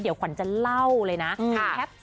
เดี๋ยวขวัญจะเล่าเลยนะ